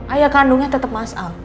ayah kandungnya tetep masal